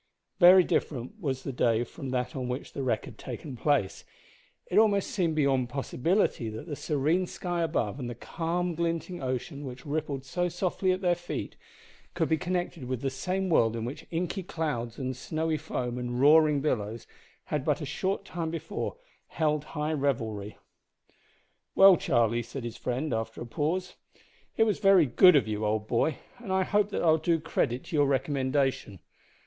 Very different was the day from that on which the wreck had taken place. It seemed almost beyond possibility that the serene sky above, and the calm, glinting ocean which rippled so softly at their feet, could be connected with the same world in which inky clouds and snowy foam and roaring billows had but a short time before held high revelry. "Well, Charlie," said his friend, after a pause, "it was very good of you, old boy, and I hope that I'll do credit to your recommendation.